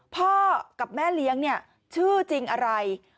พ่อกับแม่เลี้ยงเนี่ยชื่อจริงอะไร